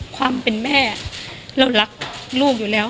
ความเป็นแม่เรารักลูกอยู่แล้ว